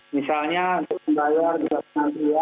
misalnya untuk membayar juga penantian